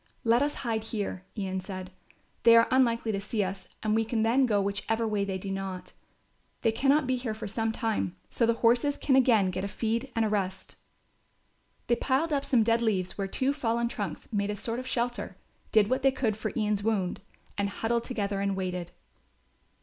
"Let us hide here," Ian said. "They are unlikely to see us and we can then go whichever way they do not. They cannot be here for some time, so the horses can again get a feed and a rest." They piled up some dead leaves where two fallen trunks made a sort of shelter, did what they could for Ian's wound and huddled together and waited.